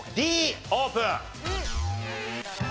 Ｄオープン！